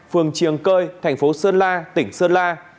phường triềng cơi thành phố sơn la tỉnh sơn la